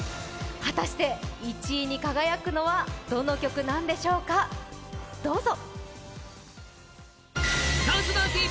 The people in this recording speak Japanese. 果たして１位に輝くのはどの曲なんでしょうか、どうぞ！